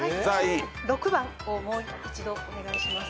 ６番をもう一度お願いします。